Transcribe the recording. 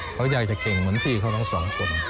เขาอยากจะเก่งเหมือนพี่เขาทั้งสองคน